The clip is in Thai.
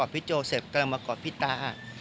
พี่โจเสร็จกำลังมากอดพี่ตา